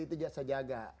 itu bisa jaga